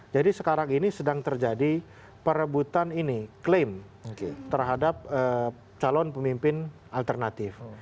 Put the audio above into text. jadi sekarang ini sedang terjadi perebutan ini klaim terhadap calon pemimpin alternatif